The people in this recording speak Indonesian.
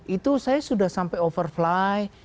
itu saya sudah sampai overfly